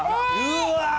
うわ！